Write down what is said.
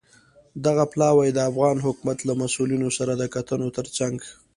دغه پلاوی د افغان حکومت له مسوولینو سره د کتنو ترڅنګ